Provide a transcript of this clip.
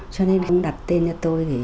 cho nên cũng đặt tên cho tôi